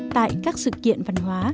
tại các sự kiện văn hóa